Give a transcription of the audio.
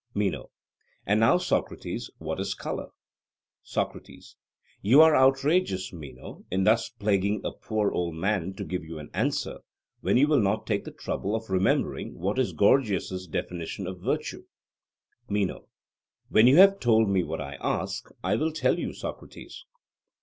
MENO: And now, Socrates, what is colour? SOCRATES: You are outrageous, Meno, in thus plaguing a poor old man to give you an answer, when you will not take the trouble of remembering what is Gorgias' definition of virtue. MENO: When you have told me what I ask, I will tell you, Socrates.